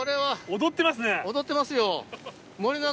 踊ってますよ。